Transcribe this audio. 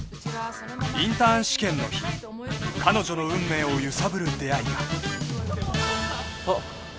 ［インターン試験の日彼女の運命を揺さぶる出会いが］あっ。